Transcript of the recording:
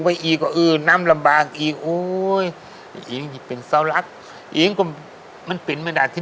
ไว้อีกก็เออน้ำระบากอีกโอ้ยยังเป็นรักยังก็มันเป็น